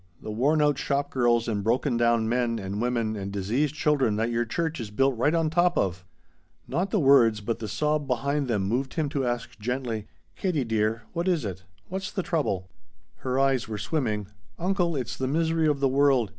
The worn out shop girls and broken down men and women and diseased children that your church is built right on top of!" Not the words but the sob behind them moved him to ask gently: "Katie dear, what is it? What's the trouble?" Her eyes were swimming. "Uncle it's the misery of the world!